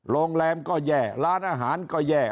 โรงแรมก็แย่ร้านอาหารก็แย่